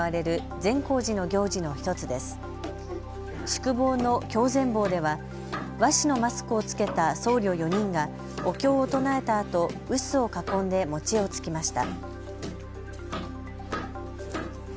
善坊では和紙のマスクを着けた僧侶４人がお経を唱えたあと臼を囲んで餅をつきました。